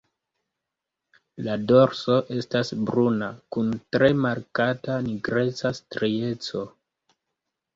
La dorso estas bruna kun tre markata nigreca strieco.